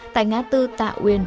tại ngã tư tạ uyên